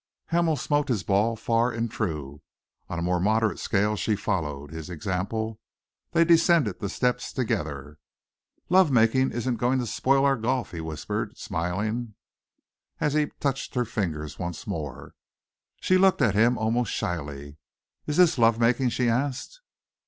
Hamel smote his ball far and true. On a more moderate scale she followed his example. They descended the steps together. "Love making isn't going to spoil our golf," he whispered, smiling, as he touched her fingers once more. She looked at him almost shyly. "Is this love making?" she asked.